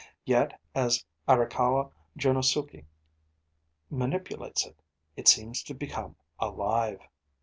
Yet as Arakawa Junosuke manipulates it, it seems to become alive.